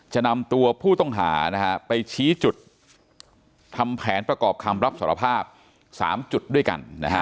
จะนำตัวผู้ต้องหาไปชี้จุดทำแผนประกอบคำรับสารภาพ๓จุดด้วยกันนะฮะ